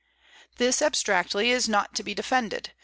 This, abstractly, is not to be defended.